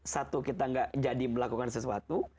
satu kita gak jadi melakukan sesuatu